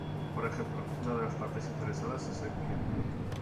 Por ejemplo, una de las partes interesadas es el cliente.